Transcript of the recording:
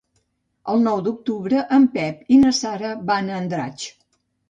El nou d'octubre en Pep i na Sara van a Andratx.